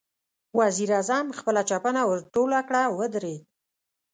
وزير اعظم خپله چپنه ورټوله کړه، ودرېد.